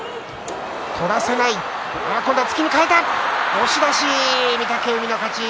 押し出し、御嶽海の勝ち。